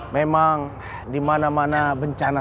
memang dimana mana bencana